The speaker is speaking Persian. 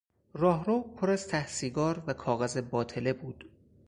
راهرو پر از ته سیگار و کاغذ باطله بود.